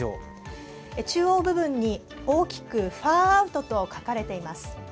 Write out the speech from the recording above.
中央部分に大きくＦａｒｏｕｔと書かれています。